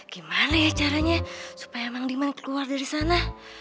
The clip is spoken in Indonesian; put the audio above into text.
gimana ya caranya supaya bang diman keluar dari sana